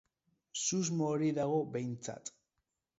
Susmo hori dago behintzat.